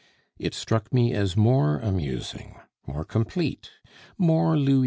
It struck me as more amusing, more complete, more Louis XV.